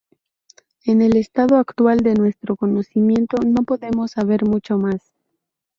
En el estado actual de nuestro conocimiento, no podemos saber mucho más".